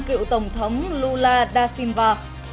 cựu tổng thống lula da silva